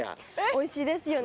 おいしいですよね。